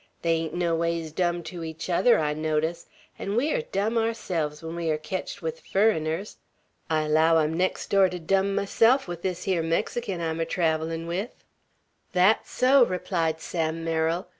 They ain't noways dumb to each other, I notice; an' we air dumb aourselves when we air ketched with furriners. I allow I'm next door to dumb myself with this hyar Mexican I'm er travellin' with." "That's so!" replied Sam Merrill.